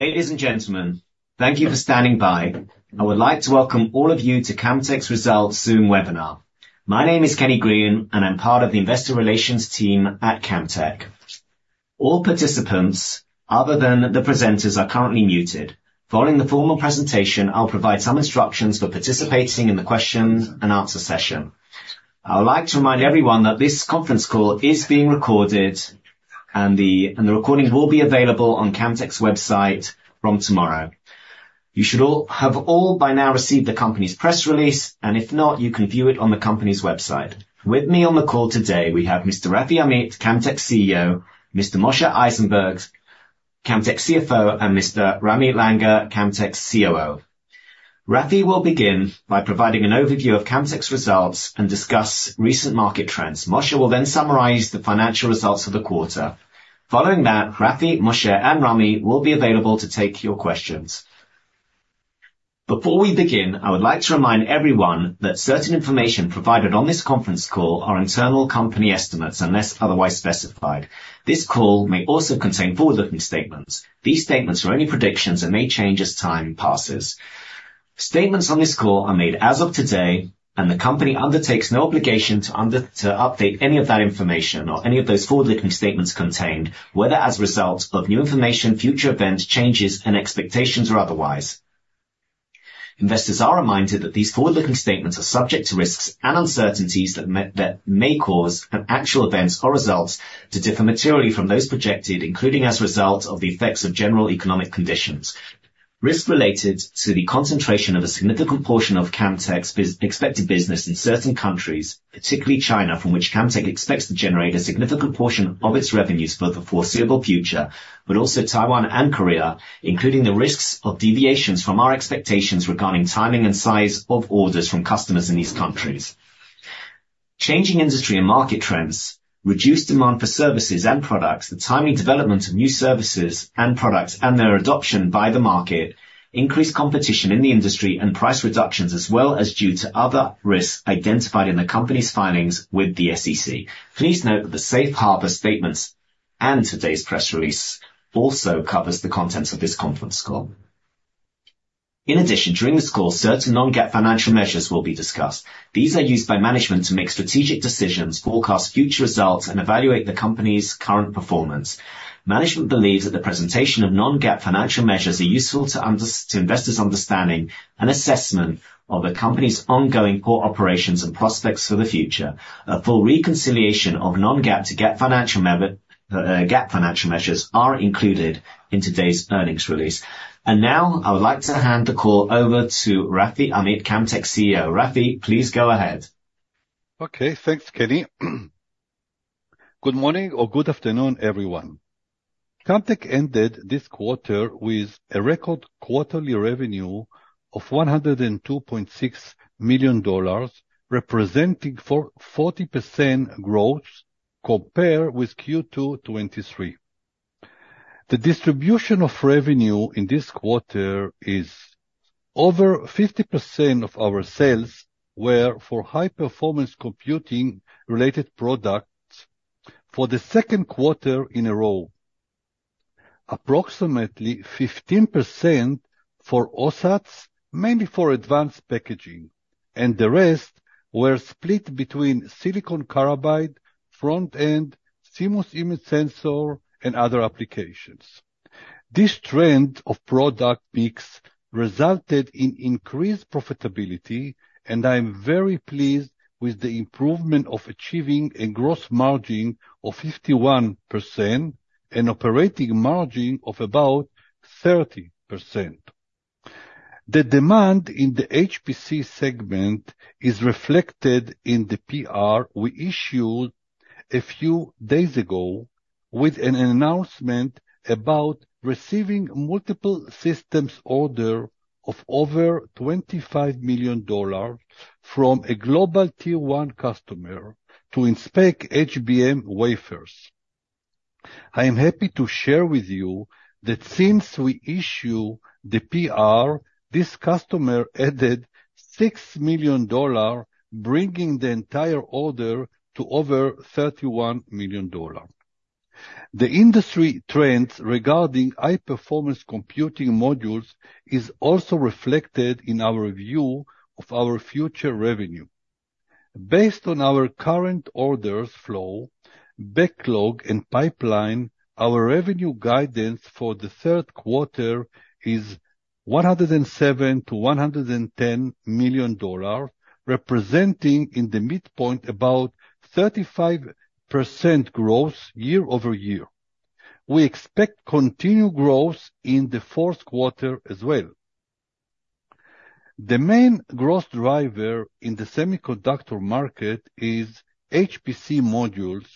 Ladies and Gentlemen, thank you for standing by. I would like to welcome all of you to Camtek's Results Zoom webinar. My name is Kenny Green and I'm part of the Investor Relations team at Camtek. All participants other than the presenters are currently muted. Following the formal presentation, I'll provide some instructions for participating in the question and answer session. I would like to remind everyone that this conference call is being recorded and the recordings will be available on Camtek's website from tomorrow. You should have all by now received the Company's press release and if not, you can view it on the Company's website with me. On the call today we have Mr. Rafi Amit, Camtek CEO, Mr. Moshe Eisenberg, Camtek CFO, and Mr. Ramy Langer. Camtek's COO Ramy will begin by providing an overview of Camtek's results and discuss recent market trends. Moshe will then summarize the financial results for the quarter following that. Rafi, Moshe and Ramy will be available to take your questions. Before we begin, I would like to remind everyone that certain information provided on this conference call are internal company estimates. Unless otherwise specified, this call may also contain forward-looking statements. These statements are only predictions and may change as time passes. Statements on this call are made as of today and the Company undertakes no obligation to update any of that information or any of those forward-looking statements contained whether as a result of new information, future events, changes and expectations, or otherwise. Investors are reminded that these forward-looking statements are subject to risks and uncertainties that may cause actual events or results to differ materially from those projected, including as a result of the effects of general economic conditions, risk related to the concentration of a significant portion of Camtek's expected business in certain countries, particularly China, from which Camtek expects to generate a significant portion of its revenues for the foreseeable future, But also Taiwan and Korea, including the risks of deviations from our expectations regarding timing and size of orders from customers in these countries, changing industry and market trends, reduced demand for services and products, the timely development of new services and products and their adoption by the market, increased competition in the industry and price reductions as well as due to other risks identified in the Company's filings with the SEC. Please note that the safe harbor statements and today's press release also covers the contents of this conference call. In addition, during this call, certain non-GAAP financial measures will be discussed. These are used by management to make strategic decisions, forecast future results and evaluate the Company's current performance. Management believes that the presentation of non-GAAP financial measures are useful to investors. Understanding and assessment of a company's ongoing operations and prospects for the future. A full reconciliation of non-GAAP to GAAP financial measures. GAAP financial measures are included in today's earnings release and now I would like to hand the call over to Rafi Amit. Camtek CEO Rafi, please go ahead. Okay, thanks Kenny. Good morning or good afternoon, everyone. Camtek ended this quarter with a record quarterly revenue of $102.6 million, representing 40% growth compared with Q2 2023. The distribution of revenue in this quarter is over 50% of our sales were for high performance computing related products for the second quarter in a row, approximately 15% for OSATs mainly for advanced packaging, and the rest were split between silicon carbide, front end, CMOS image sensor, and other applications. This trend of product mix resulted in increased profitability, and I am very pleased with the improvement of achieving a gross margin of 51% and operating margin of about 30%. The demand in the HPC segment is reflected in the PR we issued a few days ago with an announcement about receiving multiple systems order of over $25 million from a global Tier 1 customer to inspect HBM wafers. I am happy to share with you that since we issue the PR, this customer added $6 million, bringing the entire order to over $31 million. The industry trend regarding high performance computing modules is also reflected in our view of our future revenue. Based on our current orders, flow backlog and pipeline. Our revenue guidance for the third quarter is $107-$110 million, representing in the midpoint about 35% growth year over year. We expect continued growth in the fourth quarter as well. The main growth driver in the semiconductor market is HPC modules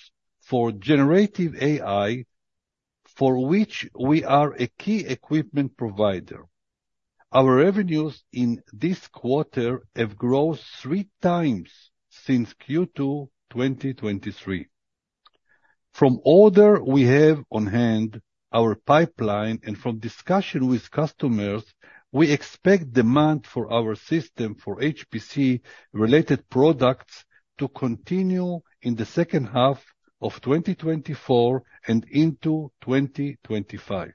for generative AI for which we are a key equipment provider. Our revenues in this quarter have grown three times since Q2 2023. From order we have on hand our pipeline and from discussion with customers. We expect demand for our system for HPC related products to continue in the second half of 2024 and into 2025.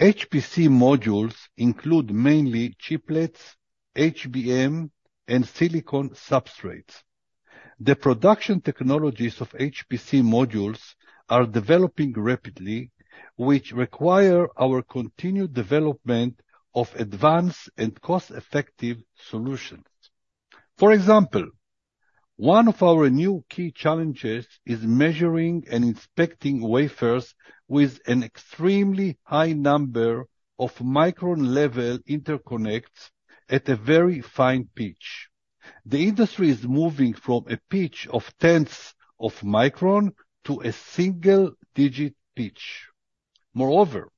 HPC modules include mainly chiplets, HBM and silicon substrates. The production technologies of HPC modules are developing rapidly which require our continued development of advanced and cost effective solutions. For example, one of our new key challenges is measuring and inspecting wafers with an extremely high number of micron level interconnects at a very fine pitch. The industry is moving from a pitch of tenths of micron to a single digit pitch. Moreover,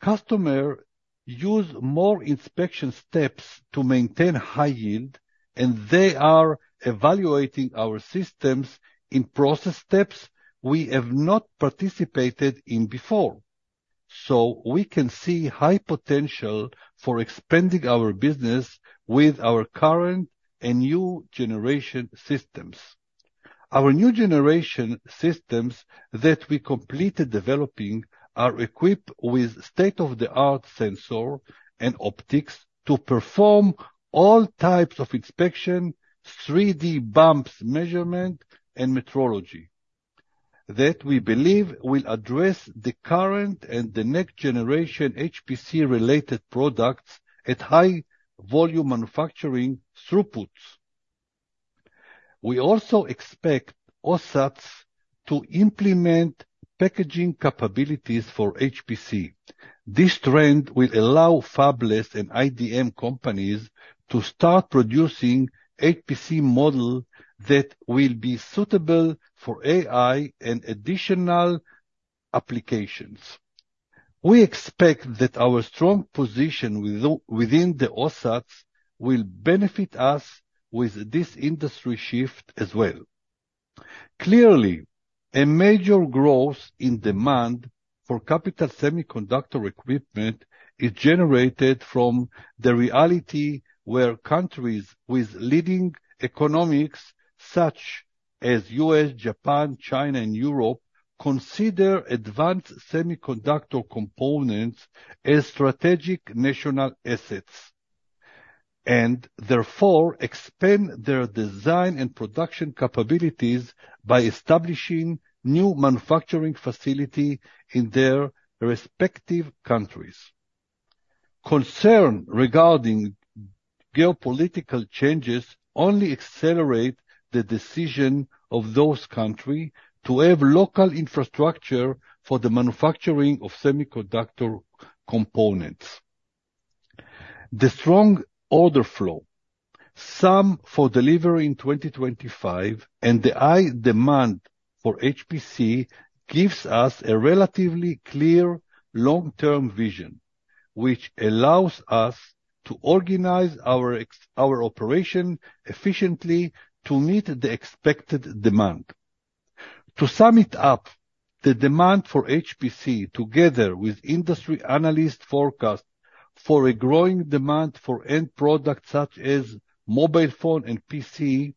customers use more inspection steps to maintain high yield and they are evaluating our systems in process steps we have not participated in before. So we can see high potential for expanding our business with our current and new generation systems. Our new generation systems that we completed developing are equipped with state-of-the-art sensor and optics to perform all types of inspection, 3D bumps, measurement and metrology that we believe will address the current and the next generation HPC related products at high volume manufacturing throughputs. We also expect OSATs to implement packaging capabilities for HPC. This trend will allow Fabless and IDM companies to start producing HPC modules that will be suitable for AI and additional applications. We expect that our strong position within the OSAT will benefit us with this industry shift as well. Clearly a major growth in demand for capital semiconductor equipment is generated from the reality where countries with leading economies such as U.S., Japan, China and Europe consider advanced semiconductor components as strategic national assets and therefore expand their design and production capabilities by establishing new manufacturing facilities in their respective countries. Concern regarding geopolitical changes only accelerate the decision of those countries to have local infrastructure for the manufacturing of semiconductor components. The strong order flow, some for delivery in 2025 and the high demand for HPC gives us a relatively clear long-term vision which allows us to organize our operation efficiently to meet the expected demand. To sum it up, the demand for HPC together with industry analyst forecast for a growing demand for end products such as mobile phone and PC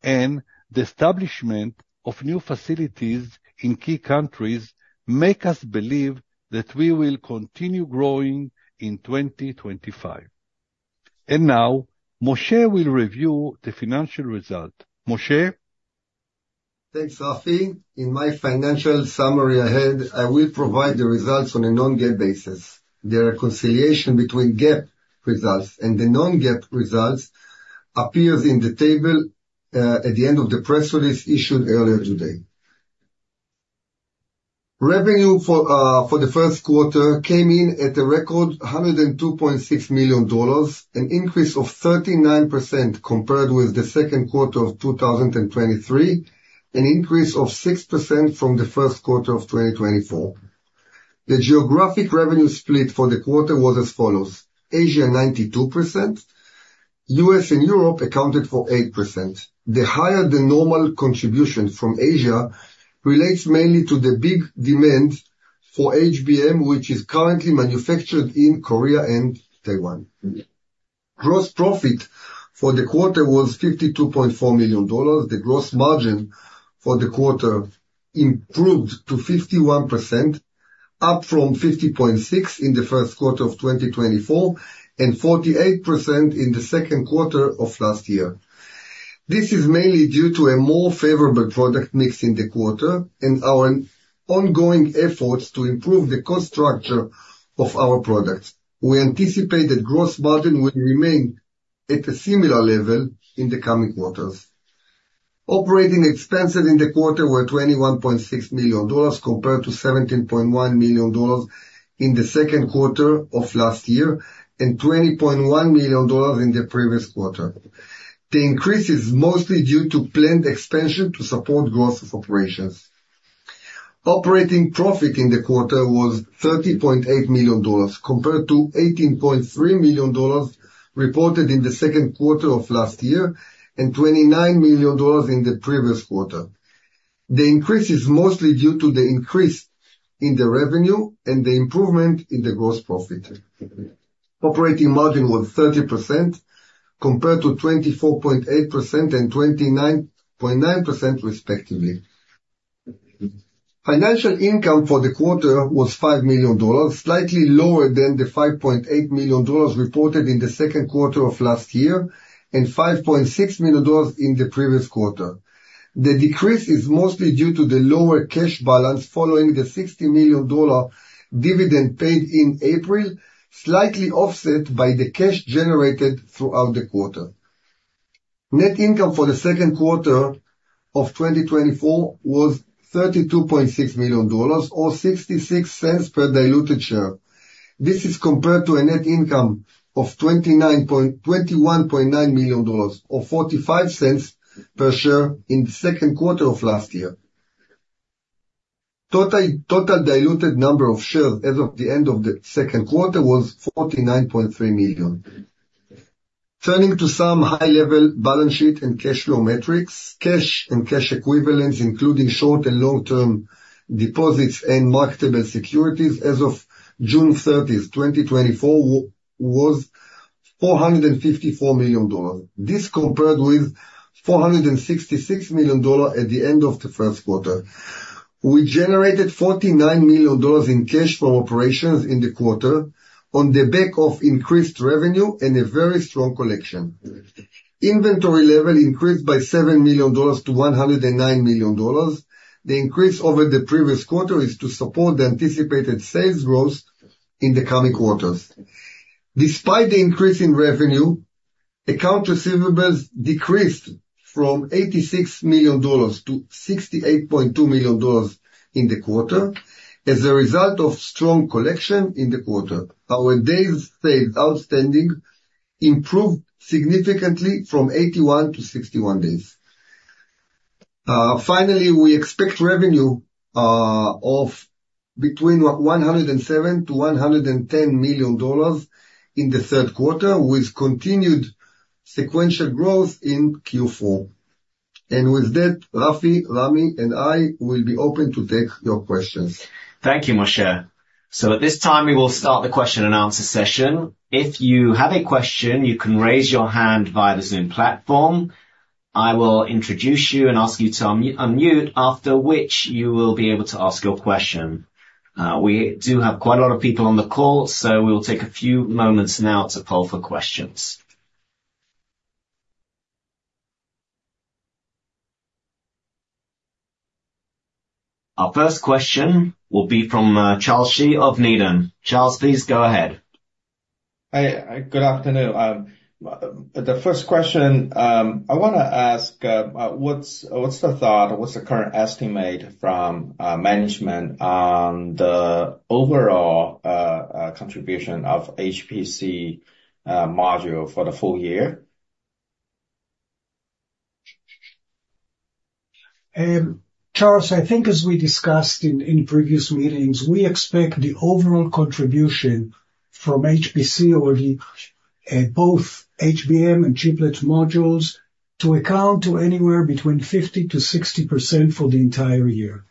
and the establishment of new facilities in key countries make us believe that we will continue growing in 2025 and now Moshe will review the financial result. Moshe thanks Rafi. In my financial summary ahead, I will provide the results on a non-GAAP basis. The reconciliation between GAAP results and the non-GAAP results appears in the table at the end of the press release issued earlier today. Revenue for the first quarter came in at a record $102.6 million, an increase of 39% compared with the second quarter of 2023, an increase of 6% from the first quarter of 2024. The geographic revenue split for the quarter was as follows. Asia 92%, US and Europe accounted for 8%. The higher than normal contribution from Asia relates mainly to the big demand for HBM which is currently manufactured in Korea and Taiwan. Gross profit for the quarter was $52.4 million. The gross margin for the quarter improved to 51%, up from 50.6% in the first quarter of 2024 and 48% in the second quarter of last year. This is mainly due to a more favorable product mix in the quarter and our ongoing efforts to improve the cost structure of our products. We anticipate that gross margin will remain at a similar level in the coming quarters. Operating expenses in the quarter were $21.6 million compared to $17.1 million in the second quarter of last year and $20.1 million in the previous quarter. The increase is mostly due to planned expansion to support growth of operations. Operating profit in the quarter was $30.8 million compared to $18.3 million reported in the second quarter of last year and $29 million in the previous quarter. The increase is mostly due to the increase in the revenue and the improvement in the gross profit. Operating margin was 30% compared to 24.8% and 29.9% respectively. Financial income for the quarter was $5 million, slightly lower than the $5.8 million reported in the second quarter of last year and $5.6 million in the previous quarter. The decrease is mostly due to the lower cash balance following the $60 million dividend paid in April, slightly offset by the cash generated throughout the quarter. Net income for the second quarter of 2024 was $32.6 million or $0.66 per diluted share. This is compared to a net income of $21.9 million or $0.45 per share in the second quarter of last year. Total diluted number of shares as of the end of the second quarter was 49.3 million. Turning to some high level balance sheet and cash flow metrics, cash and cash equivalents, including short and long term deposits and marketable securities as of June 30, 2024 was $454 million. This compared with $466 million at the end of the first quarter. We generated $49 million in cash from operations in the quarter on the back of increased revenue and a very strong collection. Inventory level increased by $7 million to $109 million. The increase over the previous quarter is to support the anticipated sales growth in the coming quarters. Despite the increase in revenue, accounts receivable decreased from $86 million to $68.2 million in the quarter. As a result of strong collection in the quarter, our days sales outstanding improved significantly from 81 to 61 days. Finally, we expect revenue of between $107-$110 million in the third quarter with continued sequential growth in Q4 and with that, Rafi, Rami and I will be open to take your questions. Thank you, Moshe. So at this time we will start the question and answer session. If you have a question, you can raise your hand via the Zoom platform. I will introduce you and ask you to unmute, after which you will be able to ask your question. We do have quite a lot of people on the call, so we will take a few moments now to poll for questions. Our first question will be from Charles Shi of Needham. Charles, please go ahead. Good afternoon. The first question I want to ask, what's the thought? What's the current estimate from management on the overall contribution of HPC module for the full year? Charles? I think as we discussed in previous meetings, we expect the overall contribution from HPC or both HBM and Chiplets modules to account to anywhere between 50%-60% for the entire year.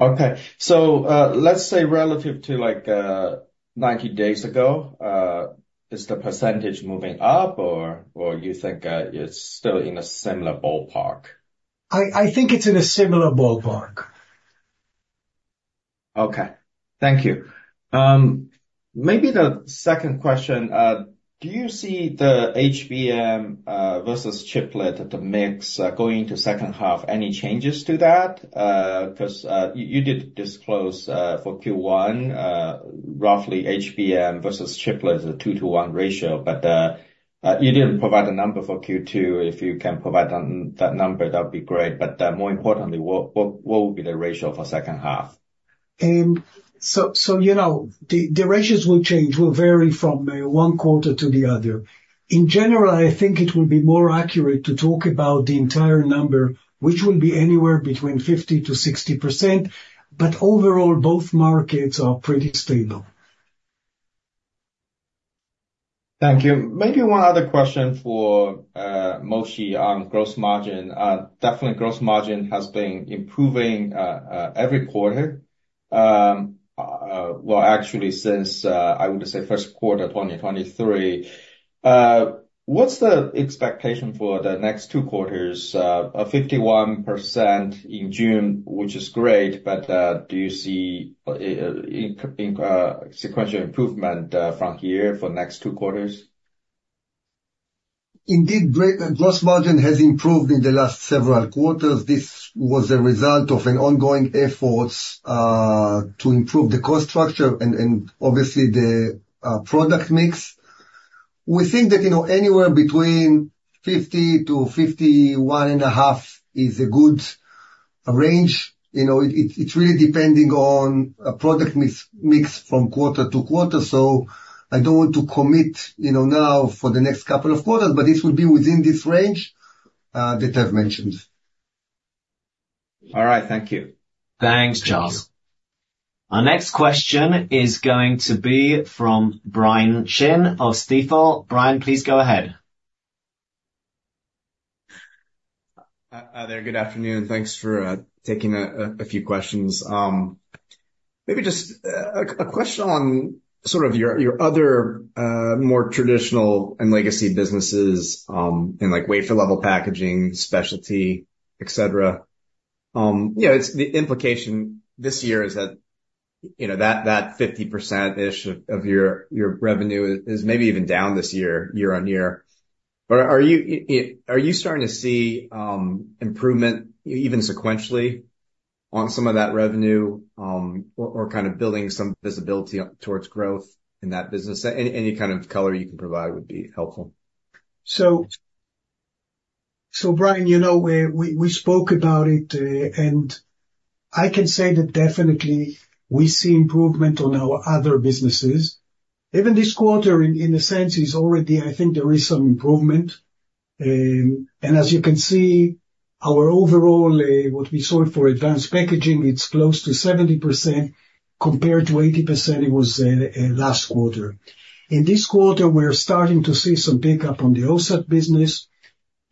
Okay, so let's say relative to like 90 days ago, is the percentage moving up or you think it's still in a similar ballpark? I think it's in a similar ballpark. Okay, thank you. Maybe the second question. Do you see the HBM vs chiplet, the mix going into second half? Any changes to that? Because you did disclose for Q1, roughly HBM versus chiplet is a 2-to-1 ratio, but you didn't provide a number for Q2. If you can provide that number, that'd be great. But more importantly, what? What would be the ratio of a second half? So you know, the ratios will change, will vary from one quarter to the other. In general, I think it will be more accurate to talk about the entire number which will be anywhere between 50%-60%. But overall both markets are pretty stable. Thank you. Maybe one other question for Moshe on gross margin. Definitely. Gross margin has been improving every quarter. Well, actually since I would say first quarter 2023, what's the expectation for the next two quarters? 51% in June, which is great. But do you see sequential improvement from here for next two quarters? Indeed, gross margin has improved in the last several quarters. This was a result of an ongoing efforts to improve the cost structure and obviously the product mix. We think that, you know, anywhere between 50%-51.5% is a good range. You know, it's really depending on a product mix from quarter to quarter. So I don't want to commit, you know, now for the next couple of quarters, but this will be within this range that I've mentioned. All right, thank you. Thanks, Charles. Our next question is going to be from Brian Chin of Stifel. Brian, please go ahead. Hi there. Good afternoon. Thanks for taking a few questions. Maybe just a question on sort of your other more traditional and legacy businesses. In like wafer level packaging, specialty, etc. You know, it's the implication this year is that, you know that that 50% ish of your, your revenue is maybe even down this year, year-on-year. But are you, are you starting to see improvement even sequentially on some of that revenue or kind of building some visibility towards growth in that business? Any kind of color you can provide would be helpful. So Brian, you know, we spoke about it and I can say that definitely we see improvement on our other businesses. Even this quarter in a sense is already, I think there is some improvement. And as you can see our overall what we saw for advanced packaging, it's close to 70% compared to 80% it was last quarter. In this quarter we're starting to see some pickup on the OSAT business.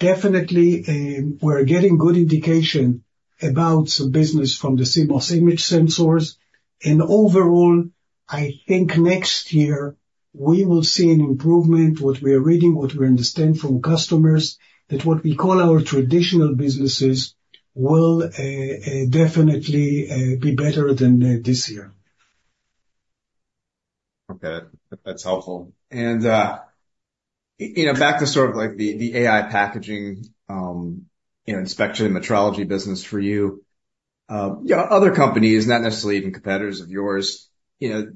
Definitely we're getting good indication about some business from the CMOS image sensors and overall I think next year we will see an improvement. What we are reading, what we understand from customers that what we call our traditional businesses will definitely be better than this year. Okay, that's helpful and you know, back to sort of like the AI packaging, inspection and metrology business for you, you know, other companies, not necessarily even competitors of yours, you know,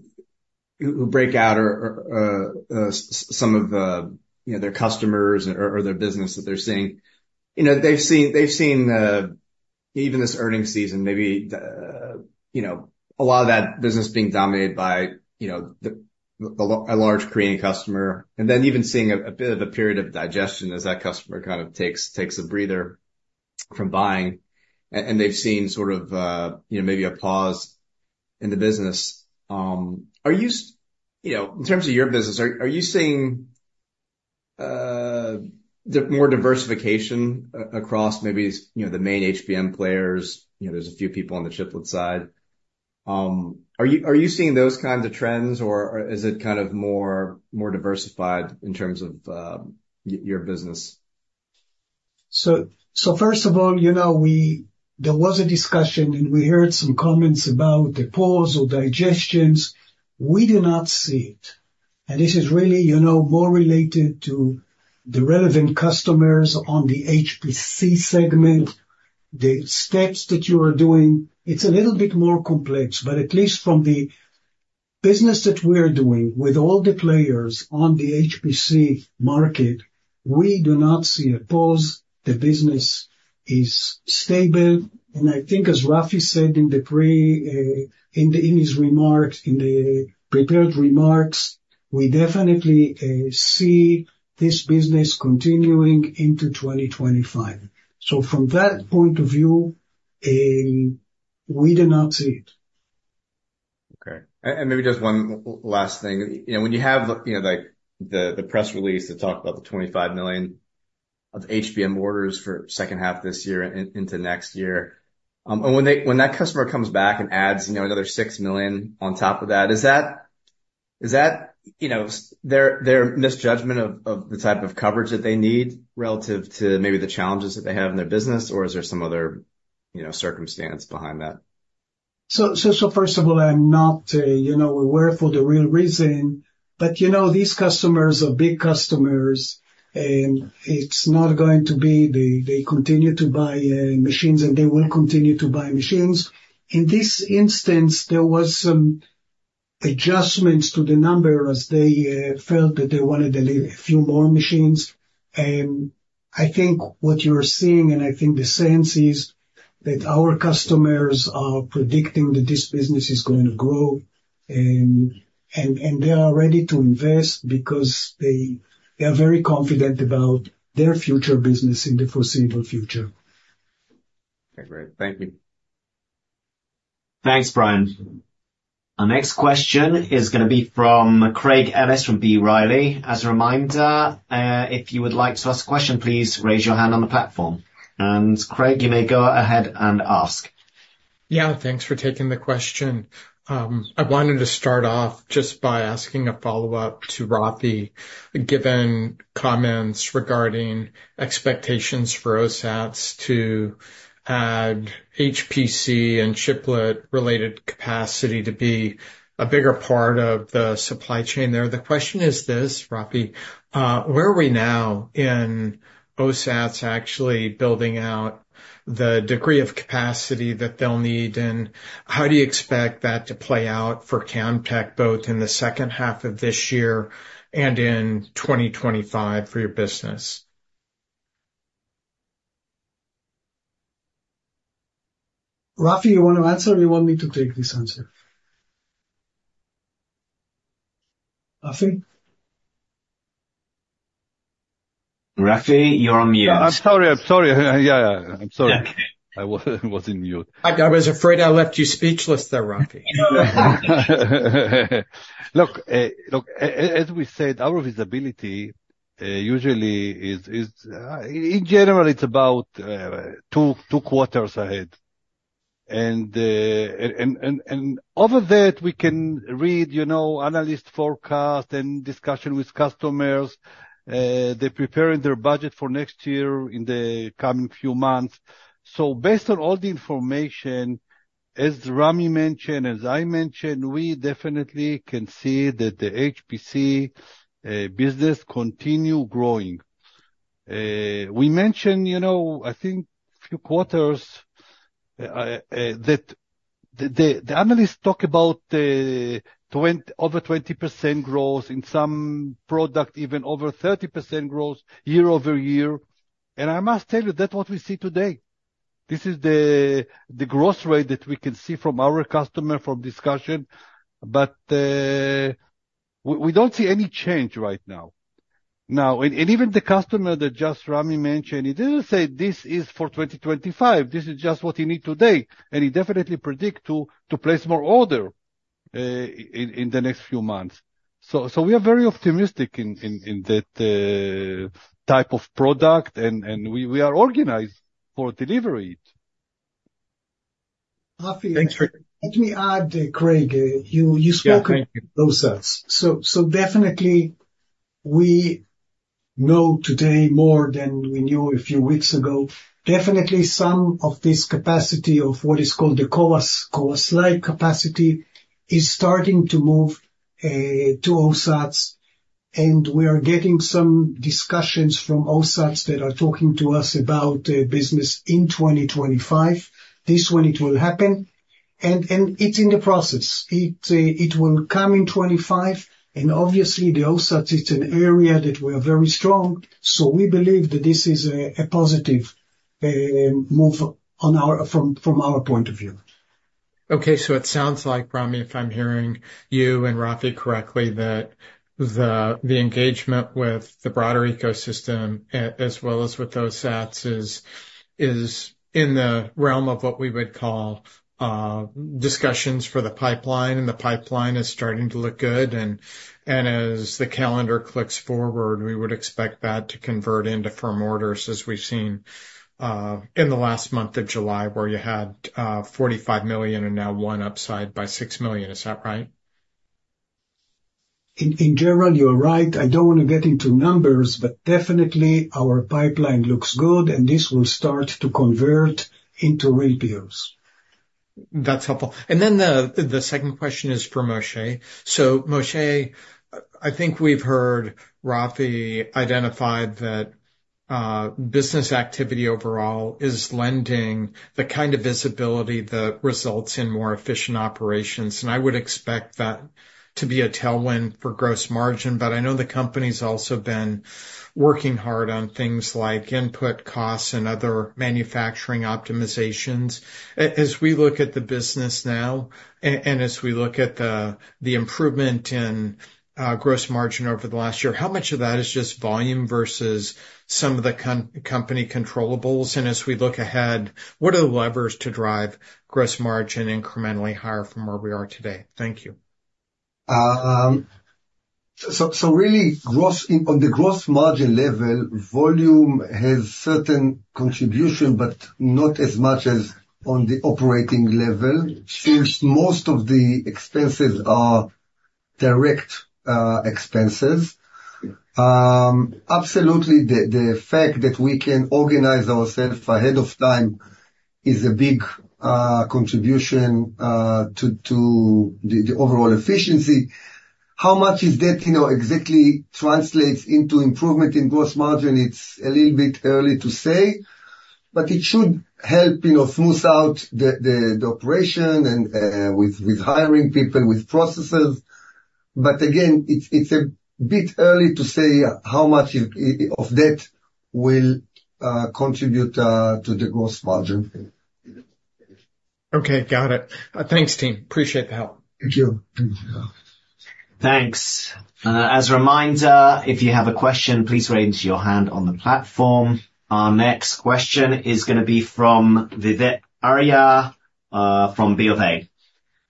who break out or some of, you know, their customers or their business that they're seeing, you know, they've seen even this earnings season maybe, You know, a lot of that business being dominated by, you know, a large Korean customer and then even seeing a bit of a period of digestion as that customer kind of takes a breather from buying and they've seen sort of, you know, maybe a pause in the business. Are you, you know, in terms of your business, are you seeing. More Diversification across maybe, you know, the main HBM players? You know, there's a few people on the chiplet side. Are you seeing those kinds of trends or is it kind of more diversified in terms of your business? So first of all, you know, there was a discussion and we heard some comments about the pause or indications. We do not see it and this is really, you know, more related to the relevant customers on the HPC segment. The steps that you are doing, it's a little bit more complex. But at least from the business that we are doing with all the players on the HPC market, we do not see a pause. The business is stable. And I think as Rafi said in his remarks, in the prepared remarks, we definitely see this business continuing into 2025. So from that point of view, we did not see it. Okay. And maybe just one last thing, you know, when you have, you know like the, the press release to talk about the $25 million of HBM orders for second half this year into next year and when they, when that customer comes back and adds, you know, another $6 million on top of that, is that, is that, you know, their, their misjudgment of the type of coverage that they need relative to maybe the challenges that they have in their business or is there some other, you know, circumstance behind that? So first of all, I'm not, you know, aware for the real reason, but you know, these customers are big customers and it's not going to be they continue to buy machines and they will continue to buy machines. In this instance there was some adjustments to the number as they felt that they wanted a few more machines. And I think what you're seeing and I think the sense is that our customers are predicting that this business is going to grow and they are ready to invest because they are very confident about their future business in the foreseeable future. Thank you. Thanks Brian. Our next question is going to be from Craig Ellis from B. Riley. As a reminder, if you would like to ask a question, please raise your hand the platform. And Craig, you may go ahead and ask. Yeah, thanks for taking the question. I wanted to start off just by asking a follow up to Rafi given comments regarding expectations for OSATs to add HPC and chiplet related capacity to be a bigger part of the supply chain there. The question is this, Rafi, where are we now in OSATs actually building out the degree of capacity that they'll need? And how do you expect that to play out for Camtek both in the second half of this year and in 2025 for your business? Rafi, you want to answer? You want me to take this answer? I think. Rafi, you're on mute. I'm sorry, I'm sorry. Yeah, I'm sorry. I was in mute. I was afraid I left you speechless there Rafi. Look, look, as we said, our visibility usually is in general. It's about two quarters ahead and over that we can read analyst forecasts and discussions with customers. They're preparing their budgets for next year in the coming few months. So based on all the information as Ramy mentioned, as I mentioned, we definitely can see that the HPC business continue growing. We mentioned, you know, I think few quarters ago that the analysts talk about 20% over 20% growth in some product, even over 30% growth year-over-year. And I must tell you that what we see today, this is the growth rate that we can see from our customer, from discussions, but we don't see any change right now. Now. And even the customer that just Ramy mentioned, he didn't say this is for 2025. This is just what you need today. He definitely predict to place more order in the next few months. We are very optimistic in that type of product and we are organized for delivery. Let me add, Craig, you spoke those. So definitely we know today more than we knew a few weeks ago. Definitely some of this capacity of what is called the CoWoS like capacity is starting to move to OSATs. And we are getting some discussions from OSATs that are talking to us about business in 2025. This one it will happen and it's in the process, it will come in 2025. And obviously the OSATs, it's an area that we are very strong. So we believe that this is a positive move on our. From our point of view. Okay, so it sounds like Rami, if I'm hearing you and Rafi correctly, that the engagement with the broader ecosystem as well as with those OSATs is in the realm of what we would call discussions for the pipeline. And the pipeline is starting to look good. And as the calendar clicks forward, we would expect that to convert into firm orders as we've seen in the last month of July where you had $45 million and now $1 million upside by $6 million. Is that right? In general, you're right. I don't want to get into numbers, but definitely our pipeline looks good. This will start to convert into orders. That's helpful. Then the second question is for Moshe. So Moshe, I think we've heard Rafi identified that business activity overall is lending the kind of visibility that results in more efficient operations. And I would expect that to be a tailwind for gross margin. But I know the company's also been working hard on things like input costs and other manufacturing optimizations. As we look at the business now, and as we look at the improvement in gross margin over the last year, how much of that is just volume versus some of the company controllables? And as we look ahead, what are the levers to drive gross margin incrementally higher from where we are today? Thank you. So really, on the gross margin level, volume has certain contribution, but not as much as on the operating level, since most of the expenses are direct expenses. Absolutely. The fact that we can organize ourselves ahead of time is a big contribution to the overall efficiency. How much is that exactly? Translates into improvement in gross margin. It's a little bit early to say, but it should help smooth out the operation and with hiring people with processes. But again, it's a bit early to say how much of that will contribute to the gross margin. Okay, got it. Thanks team. Appreciate the help. Thank you. Thanks. As a reminder, if you have a question, please raise your hand on the platform. Our next question is going to be from Vivek Arya from B of A.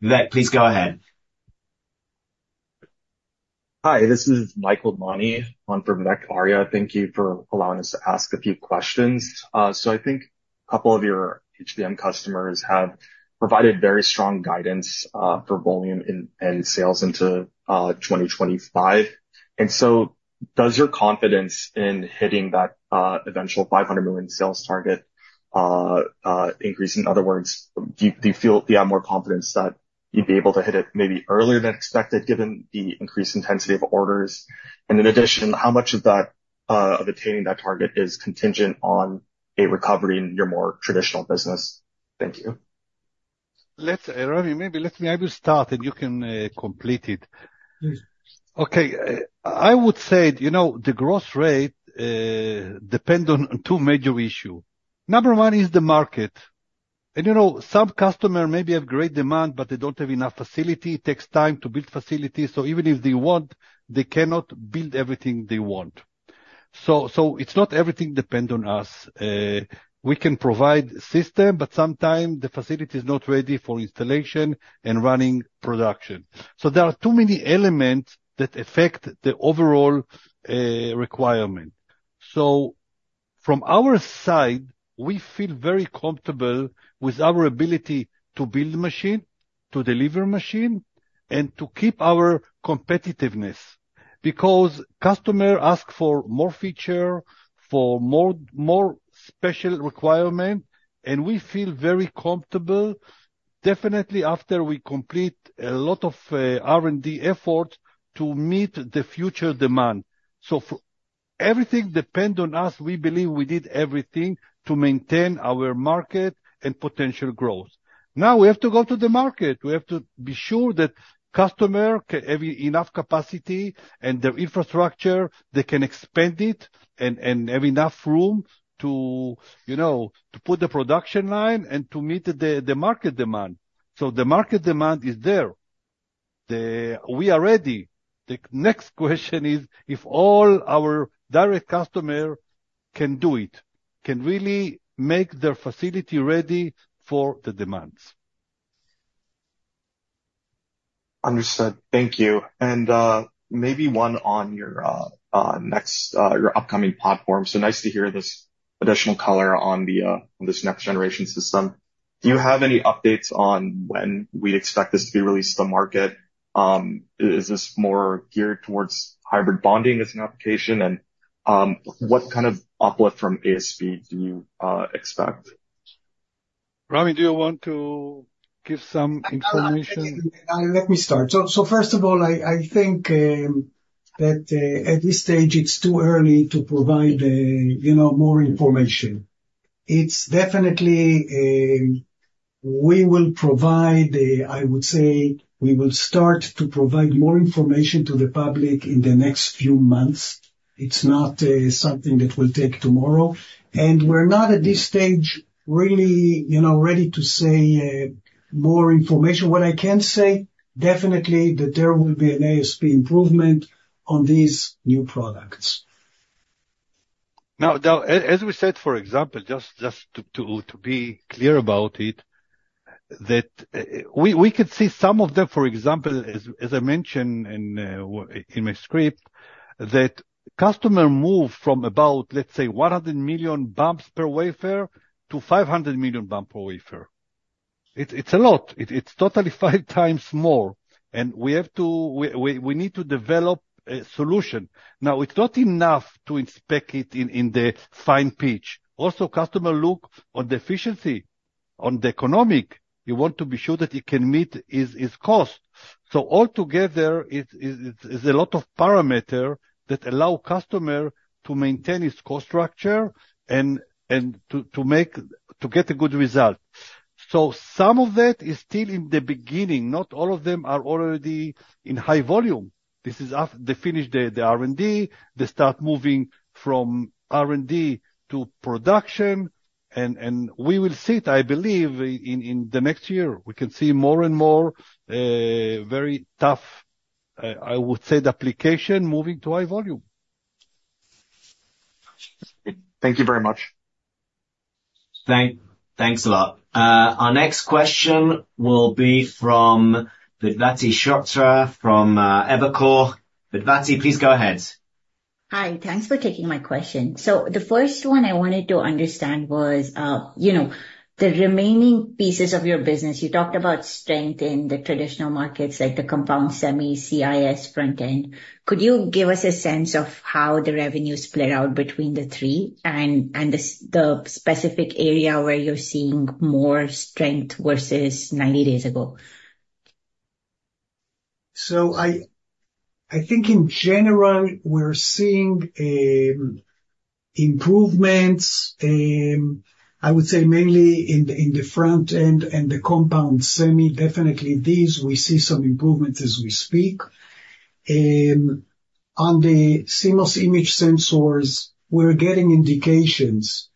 Vivek, please go ahead. Hi, this is Michael Mani on Vivek Arya, thank you for allowing us to ask a few questions. So I think a couple of your HBM customers have provided very strong guidance for volume and sales into 2025 and so does your confidence in hitting that eventual $500 million sales target increase. In other words, do you feel, do you have more confidence that you'd be able to hit it maybe earlier than expected given the increased intensity of orders? And in addition, how much of that of attaining that target is contingent on a recovery in your more traditional business? Thank you. Rafi, maybe let me. I will start and you can complete it. Okay. I would say, you know, the growth rate depend on two major issue number one is the market. And you know, some customer maybe have great demand but they don't have enough facility. It takes time to build facilities. So even if they want, they cannot build everything they want. So it's not everything depend on us. We can provide system but sometime the facility is not ready for installation and running production. So there are too many elements that affect the overall requirement. So from our side, we feel very comfortable with our ability to build machine, to deliver machine, and to keep our competitiveness because customer ask for more feature, for more special requirement, and we feel very comfortable definitely after we complete a lot of R&D effort to meet the future demand. So everything depend on us. We believe we did everything to maintain our market and potential growth. Now we have to go to the market. We have to be sure that customer having enough capacity and their infrastructure, they can expand it and have enough room to, you know, to put the production line and to meet the market demand. So the market demand is there, we are ready. The next question is if all our direct customer can do it can really make their facility ready for the demands. Understood, thank you. And maybe one on your next upcoming platform. So nice to hear this additional color on this next generation system. Do you have any updates on when we'd expect this to be released to market? Is this more geared towards hybrid bonding as an application and what kind of uplift from ASP? Do you expect. Rami, do you want to give some information? Let me start. So first of all, I think that at this stage it's too early to provide, you know, more information. It's definitely we will provide, I would say we will start to provide more information to the public in the next few months. It's not something that will take tomorrow and we're not at this stage really, you know, ready to say more information. What I can say definitely that there will be an ASP improvement on these new products. Now, as we said, for example, just to be clear about it, that we could see some of them. For example, as I mentioned in my script, that customer move from about, let's say 100 million bumps per wafer to 500 million bump per wafer. It's a lot. It's totally 5 times more. And we have to, we need to develop a solution now. It's not enough to inspect it in the fine pitch. Also customer look on the efficiency, on the economic, you want to be sure that it can meet its cost. So altogether there's a lot of parameter that allow customer to maintain its cost structure and to make to get a good result. So some of that is still in the beginning. Not all of them are already in high volume. This is after they finish the R&D. They start moving from R&D to production and we will see it, I believe in the next year we can see more and more. Very tough, I would say, the application moving to high volume. Thank you very much. Thanks. Thanks a lot. Our next question will be from Vedvati shrotre from Evercore. Vedvati, please go ahead. Hi. Thanks for taking my question. So the first one I wanted to understand was, you know, the remaining pieces of your business. You talked about strength in the traditional markets like the compound semi, CIS front end. Could you give us a sense of how the revenues split out between the three and the specific area where you're seeing more strength versus 90 days ago? So I think in general we're seeing improvements, I would say mainly in the front end and the compound semi. Definitely these. We see some improvement as we speak on the CMOS image sensors. We're getting indications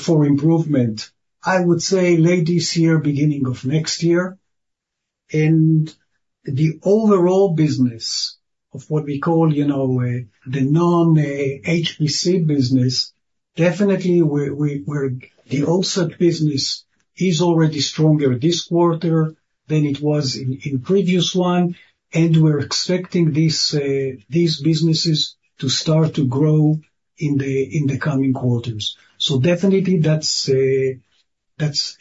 for improvement, I would say late this year, beginning of next year. And the overall business of what we call, you know, the non HPC business, definitely the OSAT business is already stronger this quarter than it was in previous one. And we're expecting these businesses to start to grow in the coming quarters. So definitely that's a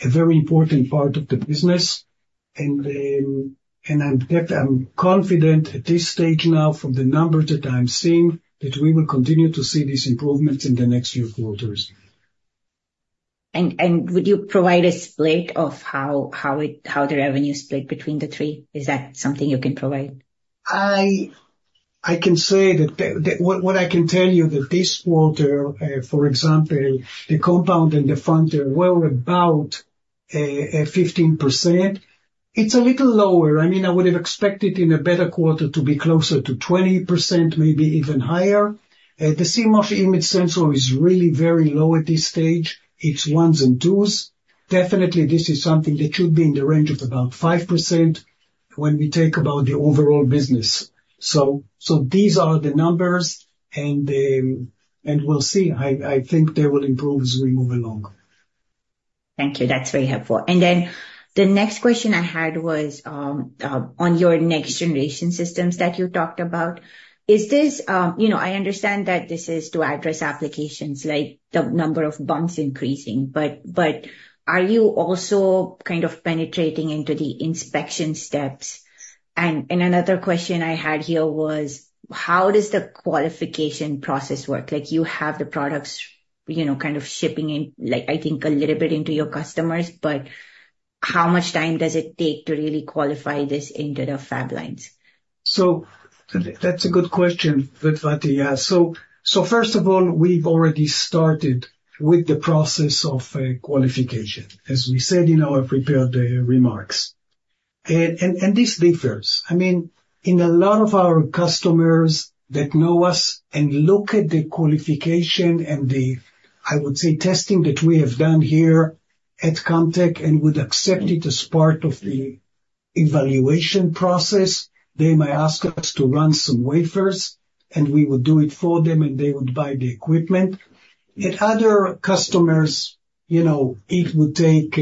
very important part of the business and I'm confident at this stage now, from the numbers that I'm seeing, that we will continue to see these improvements in the next few quarters. Would you provide a split of how the revenue split between the three? Is that something you can provide? I can say that what I can tell you that this quarter, for example, the compound and the foundry were about 15%. It's a little lower. I mean, I would have expected in a better quarter to be closer to 20%, maybe even higher. The CMOS image sensor is really very low at this stage. It's ones and twos definitely. This is something that should be in the range of about 5% when we talk about the overall business. So these are the numbers and we'll see. I think they will improve as we move along. Thank you, that's very helpful. And then the next question I had was on your next generation systems that you talked about is this, you know, I understand that this is to address applications like the number of bumps increasing, but are you also kind of penetrating into the inspection steps? And another question I had here was how does the qualification process work? Like you have the products, you know, kind of shipping in like I think a little bit into your customers. But how much time does it take to really qualify this into the fab lines? So that's a good question, Vidvati. Yeah, so. So first of all, we've already started with the process of qualification as we said in our prepared remarks. And this differs, I mean, in a lot of our customers that know us and look at the qualification and the I would say testing that we have done here at Camtek and would accept it as part of the evaluation process, they might ask us to run some wafers and we would do it for them and they would buy the equipment at other customers. You know, it would take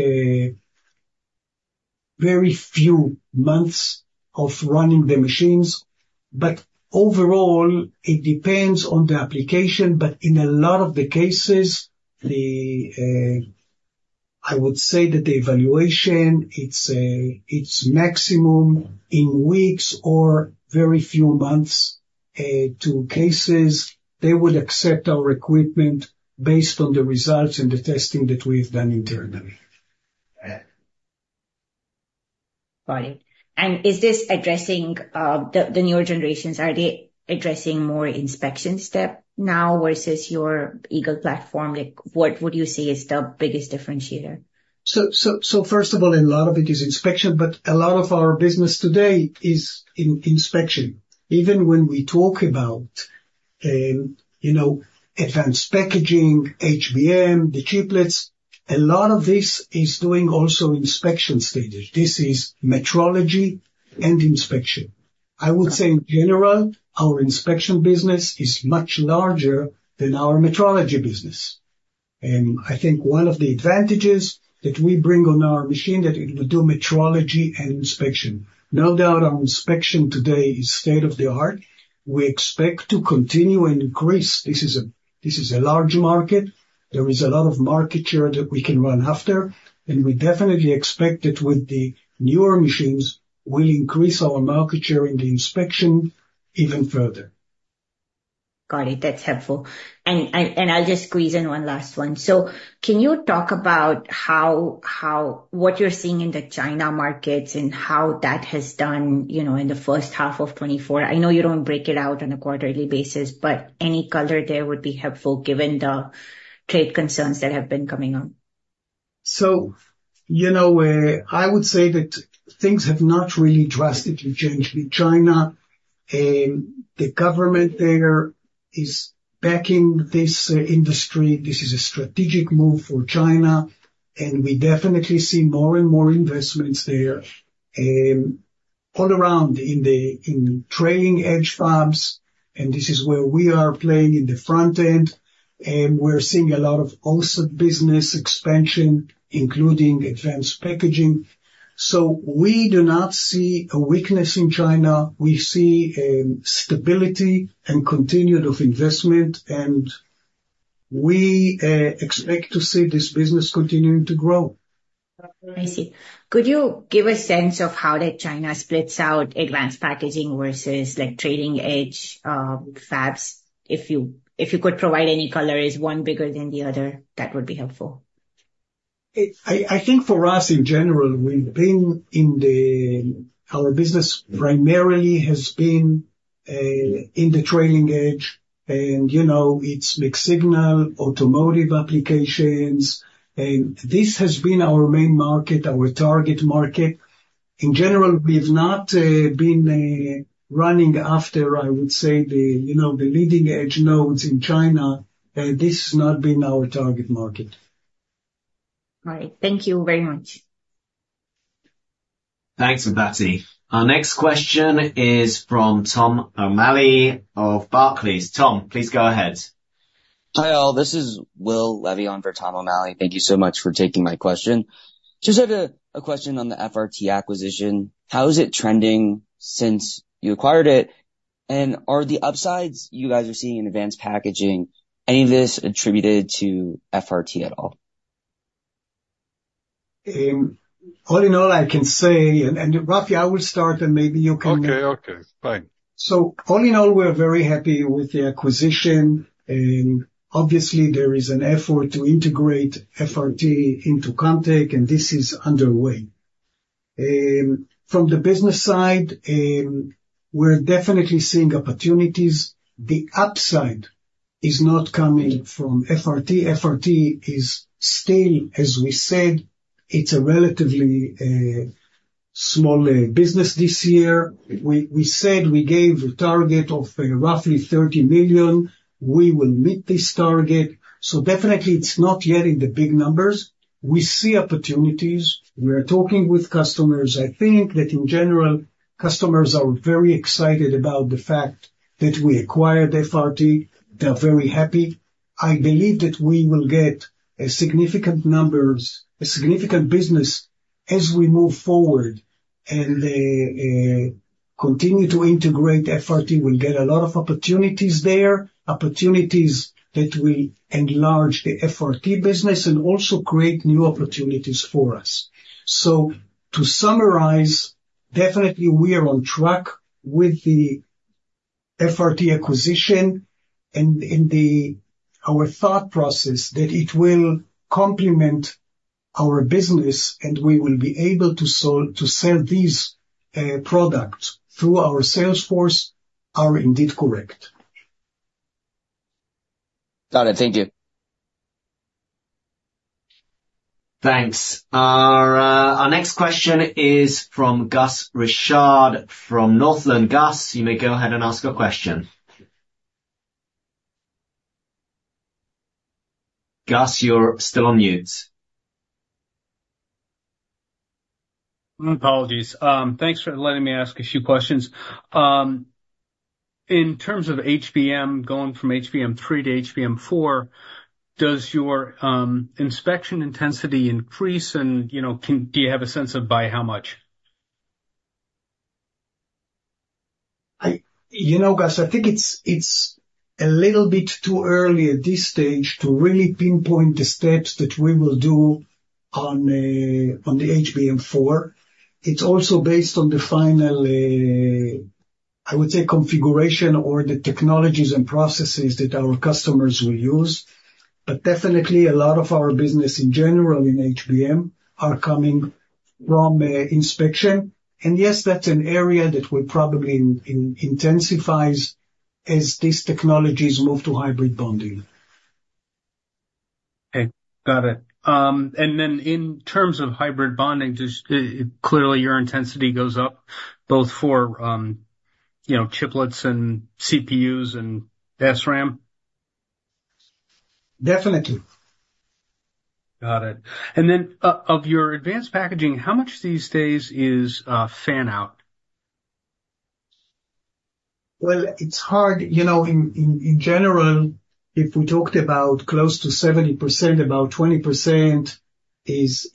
very few months of running the machines. But overall it depends on the application. But in a lot of the cases, I would say that the evaluation, it's maximum in weeks or very few months in cases they would accept our equipment based on the results and the testing that we've done internally. Got it. And is this addressing the newer generations? Are they addressing more inspection step now versus your Eagle platform? Like, what would you say is the biggest differentiator? So first of all, a lot of it is inspection. But a lot of our business today is inspection. Even when we talk about advanced packaging, HBM, the chiplets, a lot of this is doing also inspection stages. This is metrology and inspection. I would say in general, our inspection business is much larger than our metrology business. And I think one of the advantages that we bring on our machine that it would do metrology and inspection. No doubt our inspection today is state-of-the-art. We expect to continue and increase. This is a large market. There is a lot of market share that we can run after and we definitely expect that with the newer machines we'll increase our market share in the inspection even further. Got it. That's helpful. And I'll just squeeze in one last one. So can you talk about how what you're seeing in the China markets and how that has done, you know, in 1H2024. I know you don't break it out on a quarterly basis, but any color there would be helpful given the trade concerns that have been coming up. So, you know, I would say that things have not really drastically changed with China. The government there is backing this industry. This is a strategic move for China and we definitely see more and more investments there all around in trailing edge fabs. And this is where we are playing in the front end. And we're seeing a lot of OSAT business expansion, including advanced packaging. So we do not see a weakness in China. We see stability and continuation of investment and we expect to see this business continuing to grow. I see. Could you give a sense of how that China splits out advanced packaging versus like trailing edge fabs? If you, if you could provide any color is one bigger than the other, that would be helpful. I think for us in general, we've been in the, our business primarily has been in the trailing edge and you know, it's mixed signal automotive applications. This has been our main market, our target market in general. We've not been running after, I would say the, you know, the leading edge nodes in China. This has not been our target market. All right, thank you very much. Thanks Vedvati. Our next question is from Tom O'Malley of Barclays. Tom, please go ahead. Hi all, this is Will Levy for Tom O'Malley. Thank you so much for taking my question. Just had a question on the FRT acquisition, how is it trending since you acquired? Is any of the upsides you guys are seeing in advanced packaging attributed to FRT at all? All in all, I can say, and Rafi, I will start and maybe you can. Okay, okay, fine. So all in all we're very happy with the acquisition and obviously there is an effort to integrate FRT into Camtek and this is underway. From the business side, we're definitely seeing opportunities. The upside is not coming from FRT. FRT is still, as we said, it's a relatively small business. This year we said we gave a target of roughly $30 million. We will meet this target. So definitely it's not yet in the big numbers. We see opportunities. We are talking with customers. I think that in general, customers are very excited about the fact that we acquired FRT. They are very happy. I believe that we will get a significant numbers, a significant business as we move forward and continue to integrate FRT. We'll get a lot of opportunities there, opportunities that will enlarge the FRT business and also create new opportunities for us. To summarize, definitely we are on track with the FRT acquisition and our thought process that it will complement our business and we will be able to sell these products through our sales force. They are indeed correct. Got it. Thank you. Thanks. Our next question is from Gus Richard from Northland. Gus, you may go ahead and ask a question. Gus, you're still on mute. Apologies. Thanks for letting me ask a few questions. In terms of HBM going from HBM3 to HBM4, does your inspection intensity increase and, you know, do you have a sense of by how much? You know, Gus, I think it's a little bit too early at this stage to really pinpoint the steps that we will do on the HBM4. It's also based on the final, I would say, configuration or the technologies and processes that our customers will use. But definitely a lot of our business in general in HBM are coming from inspection. And yes, that's an area that will probably intensify as these technologies move to hybrid bonding. Okay, got it. And then in terms of hybrid bonding, just clearly your intensity goes up both for, you know, chiplets and CPUs and SRAM. Definitely Got it. And then of your advanced packaging, how much these days is fan out? Well, it's hard, you know, in general, if we talked about close to 70%, about 20% is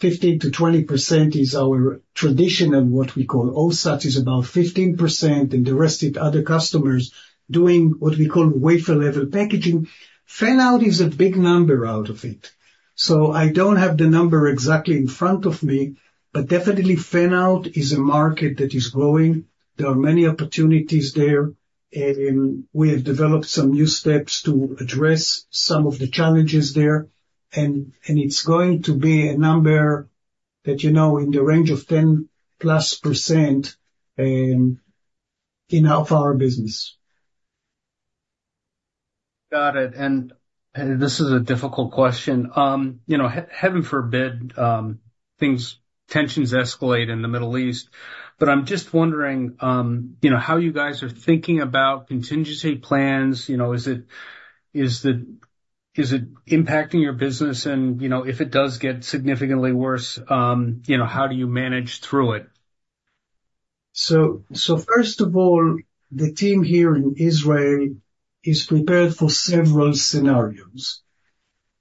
15%-20% is our traditional, what we call OSAT is about 15% and the rest of other customers doing what we call wafer level packaging. Fan-out is a big number out of it. So I don't have the number exactly in front of me, but definitely fan-out is a market that is growing. There are many opportunities there. We have developed some new steps to address some of the challenges there. And it's going to be a number that, you know, in the range of 10% in our power business. Got it. This is a difficult question, you know. Heaven forbid the tensions escalate in the Middle East. But I'm just wondering, you know, how you guys are thinking about contingency plans. You know, is it impacting your business? And you know, if it does get significantly worse, you know, how do you manage through it? So, first of all, the team here in Israel is prepared for several scenarios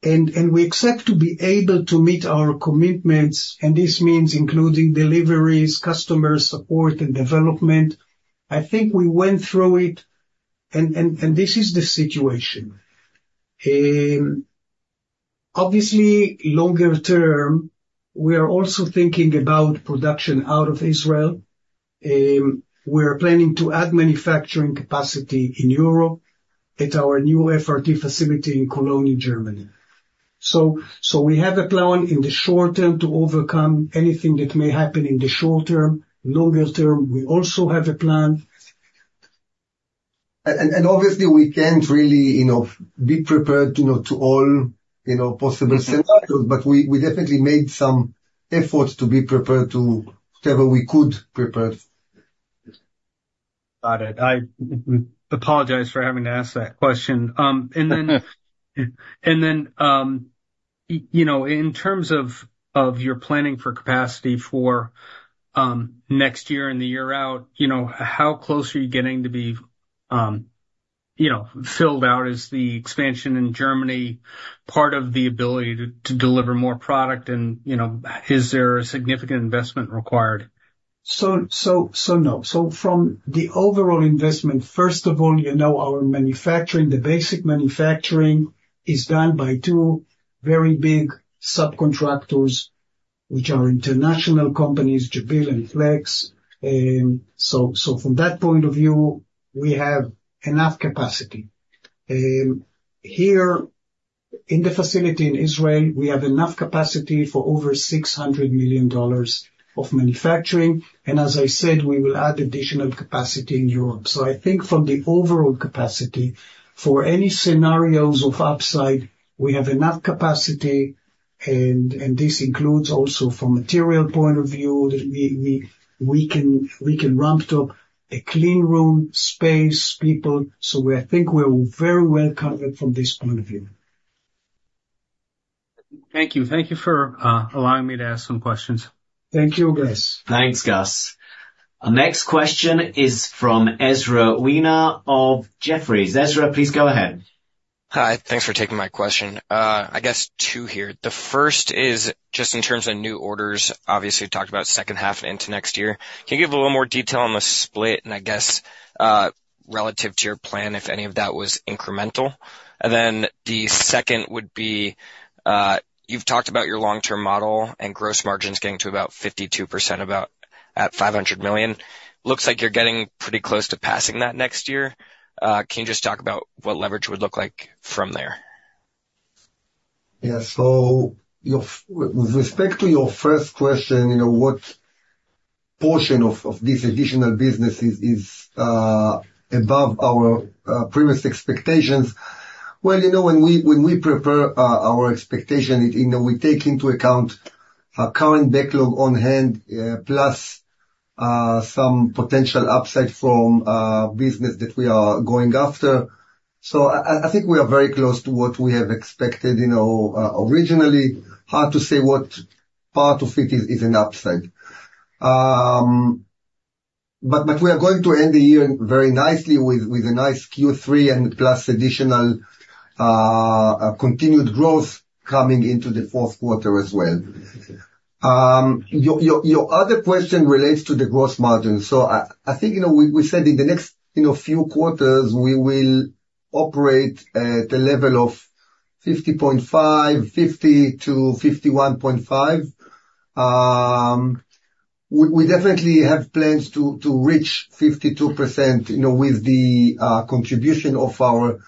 and we expect to be able to meet our commitments. And this means including deliveries, customer support and development. I think we went through it and this is the situation. Obviously, longer term we are also thinking about production out of Israel. We are planning to add manufacturing capacity in Europe at our new FRT facility in Cologne, Germany. So we have a plan in the short term to overcome anything that may happen in the short term. Longer term we also have a plan. Obviously we can't really be prepared to all possible scenarios, but we definitely made some efforts to be prepared to whatever we could prepared for. Got it. I apologize for having to ask that question. And then, you know, in terms of your planning for capacity for next year, in the year out, you know, how close are you getting to be, you know, filled out? Is the expansion in Germany part of the ability to deliver more product and you know, is there a significant investment required? So, no. So from the overall investment, first of all, you know, our manufacturing, the basic manufacturing is done by two very big subcontractors which are international companies, Jabil and Flex. So from that point of view, we have enough capacity here in the facility in Israel. We have enough capacity for over $600 million of manufacturing. And as I said, we will add additional capacity in Europe. So I think from the overall capacity for any scenarios of upside, we have enough capacity. And this includes also from material point of view, we can ramp up a clean room space people. So I think we're very well covered from this point of view. Thank you. Thank you for allowing me to ask some questions. Thank you guys. Thanks, Gus. Our next question is from Ezra Wena of Jefferies. Ezra, please go ahead. Hi, thanks for taking my question. I guess two here. The first is just in terms of new orders obviously talked about, second half into next year. Can you give a little more detail on the split and I guess relative to your plan, if any of that was incremental and then the second would be you've talked about your long-term model and gross margins getting to about 52% about at $500 million. Looks like you're getting pretty close to passing that next year. Can you just talk about what leverage would look like from there. Yeah. So with respect to your first question, you know, what portion of these additional businesses is above our previous expectations? Well, you know, when we prepare our expectation, you know, we take into account our current backlog on hand, plus some potential upside from business that we are going after. So I think we are very close to what we have expected, you know, originally. Hard to say what part of it is an upside, but we are going to end the year very nicely with a nice Q3 and plus additional continued growth coming into the fourth quarter as well. Your other question relates to the gross margin. So I think we said in the next few quarters we will operate at the level of 50.5%, 50%-51.5%. We definitely have plans to reach 52% with the contribution of our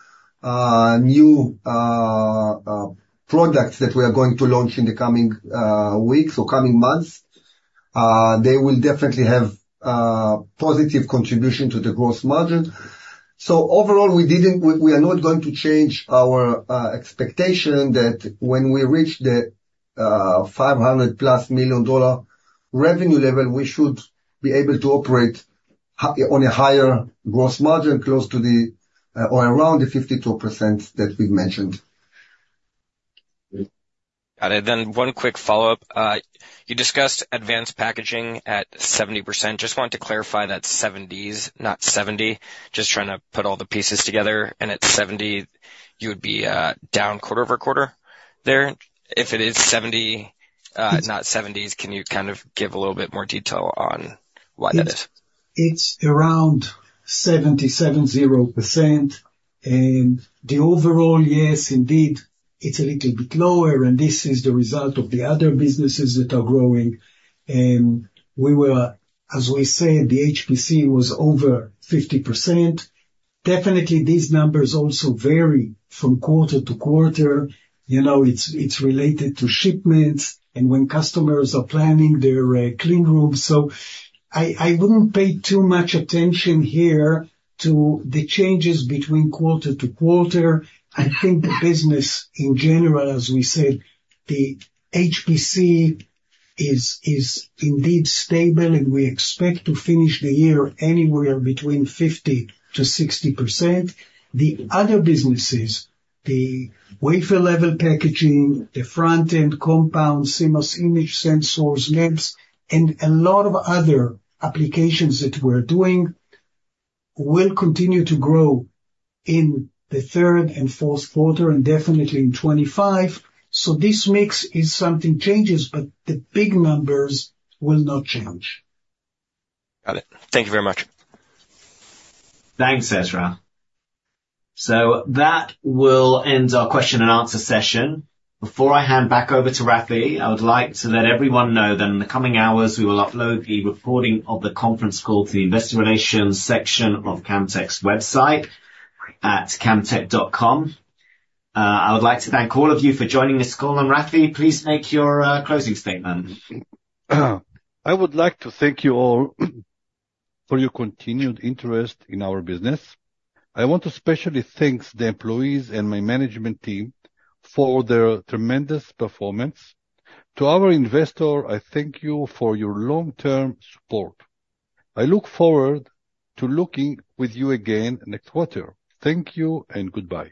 new products that we are going to launch in the coming weeks or coming months. They will definitely have positive contribution to the gross margin. So overall we are not going to change our expectation that when we reach the $500+ million revenue level, we should be able to operate on a higher gross margin close to the or around the 52% that we've mentioned. Got it. And then one quick follow-up. You discussed advanced packaging at 70%. Just want to clarify that. 70s, not 70. Just trying to put all the pieces together. And at 70 you would be down quarter-over-quarter there. If it is 70, not 70s, can you kind of give a little bit more detail on why that is? It's around 77.0% and the overall yes, indeed, it's a little bit lower. This is the result of the other businesses that are growing. We were, as we said, the HPC was over 50% definitely. These numbers also vary from quarter to quarter. You know, it's related to shipments and when customers are planning their clean room. So I wouldn't pay too much attention here to the changes between quarter to quarter. I think the business in general, as we said, the HPC is indeed stable and we expect to finish the year anywhere between 50%-60%. The other businesses, the wafer level packaging, the front end compound, CMOS image sensors, MEMS and a lot of other applications that we're doing will continue to grow in the third and fourth quarter and definitely in 2025. This mix is something changes but the big numbers will not change. Thank you very much. Thanks Ezra. So that will end our question and answer session. Before I hand back over to Rafi, I would like to let everyone know that in the coming hours we will upload the recording of the conference call to the investor relations section of Camtek's website at camtek.com. I would like to thank all of you for joining us. Rafi, please make your closing statement. I would like to thank you all for your continued interest in our business. I want to specially thank the employees and my management team for their tremendous performance. To our investor, I thank you for your long term support. Support. I look forward to looking with you again next quarter. Thank you and goodbye.